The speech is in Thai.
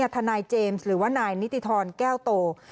ทนายเจมส์หรือว่านายนิติธรแก้วโต